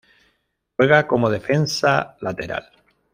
Juega como Defensa lateral.